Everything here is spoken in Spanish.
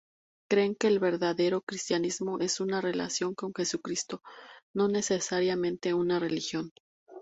Creen que el verdadero cristianismo es una relación con Jesucristo, no necesariamente una religión.